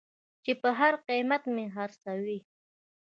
چې په هر قېمت مې خرڅوې.